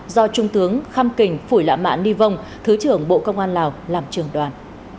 do trung tướng kham kinh phủy lạ mạ ni vong thứ trưởng bộ công an lào làm trưởng đoàn